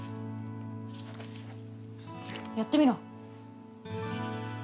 やってみろ。